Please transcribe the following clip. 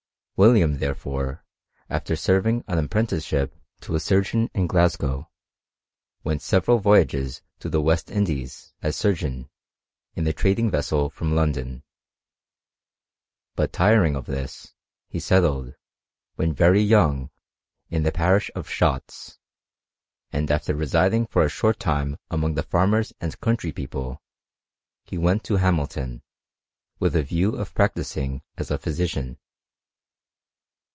William, therefore, after serving an apprenticeship to a surgeon in Glasgow, went several voyages to the West Indies, as surgeon, in a trading vessel from London; but tiring of this, he settled, when very young, in the parish of Shotts ; and after residing for a short time among the farmers and country people, he went to Hamilton, with a view of practising as a physician.